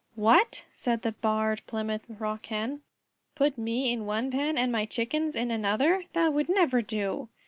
"What?" said the Barred Plymouth Rock Hen, "put me in one pen and my Chickens in another? That would never do."